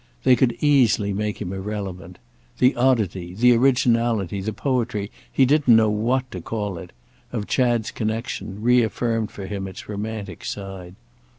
They could easily make him irrelevant. The oddity, the originality, the poetry—he didn't know what to call it—of Chad's connexion reaffirmed for him its romantic side.